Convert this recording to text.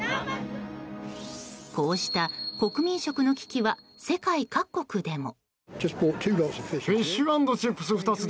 こうした国民食の危機は世界各国でも。